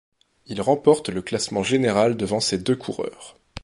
Il remporte le classement général devant ces deux coureurs.